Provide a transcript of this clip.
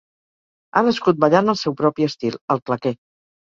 Ha nascut ballant el seu propi estil: el claqué.